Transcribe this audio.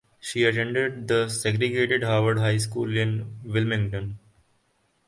She attended the segregated Howard High School in Wilmington.